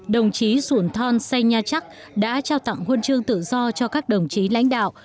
đồng chí xuồn thon say nha trắc đã trao tặng huân chương tự do cho các đồng chí lãnh đạo